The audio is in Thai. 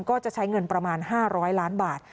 ก็จะใช้เงินประมาณ๕๐๐ล้านบาท